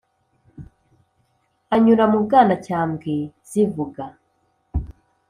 anyura mu bwanacyambwe zivuga